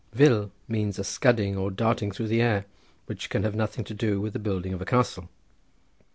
Fil means a scudding or darting through the air, which can have nothing to do with the building of a castle.